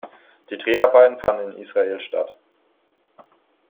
Die Dreharbeiten fanden in Israel statt.